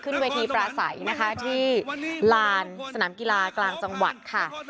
ขึ้นเวทีปลาใสนะคะที่ลานสนามกีฬากลางจังหวัดค่ะ